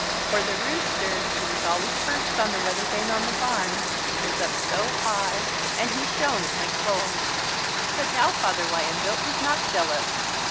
For the rooster who was always perched on the weather vane on the barn was up so high and he shone like gold. But now Father Wyandotte was not jealous.